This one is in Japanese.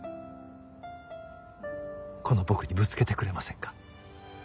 この僕にぶつけてくれませんか？